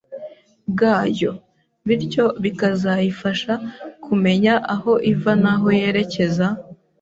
bwayo. Bityo bikazayifasha kumenya aho iva naho yerekeza,